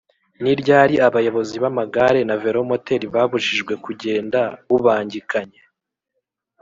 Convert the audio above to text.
ni ryari abayobozi b’amagare na velomoteri babujijwe kugenda bubangikanye